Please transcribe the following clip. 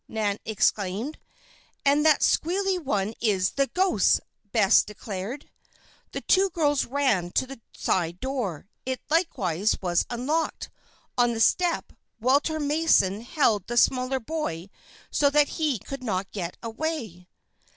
Nan exclaimed. "And that squeally one is the ghost's," Bess declared. The two girls ran to the side door. It, likewise, was unlocked. On the step, Walter Mason held the smaller boy so that he could not get away.